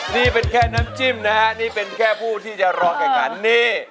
นี่เป็นแค่น้ำจิ้มนะฮะนี่เป็นแค่ผู้ที่จะรอแข่งขันนี่